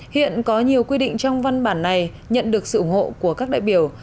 hiện có nhiều quy định trong văn bản này nhận được sự ủng hộ của các đại biểu